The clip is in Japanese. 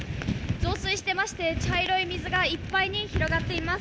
増水していまして、茶色い水がいっぱいに広がっています。